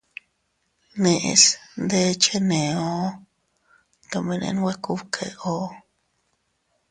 Neʼes ndé cheneo tomene nwe kubkeo.